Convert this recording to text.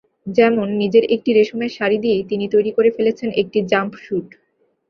যেমন নিজের একটি রেশমের শাড়ি দিয়েই তিনি তৈরি করে ফেলেছেন একটি জাম্পস্যুট।